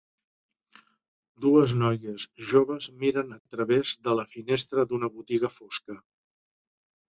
Dues noies joves miren a través de la finestra d'una botiga fosca.